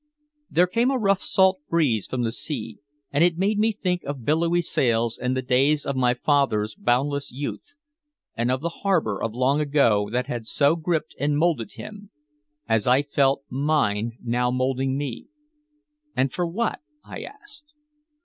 There came a rough salt breeze from the sea, and it made me think of billowy sails and the days of my father's boundless youth, and of the harbor of long ago that had so gripped and molded him as I felt mine now molding me. And for what? I asked.